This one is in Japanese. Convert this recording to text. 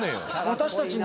私たちね